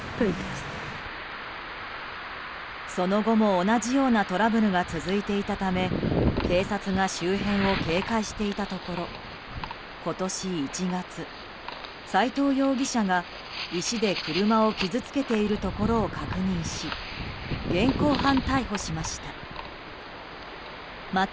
その後も同じようなトラブルが続いていたため警察が周辺を警戒していたところ今年１月、斎藤容疑者が石で車を傷つけているところを確認し現行犯逮捕しました。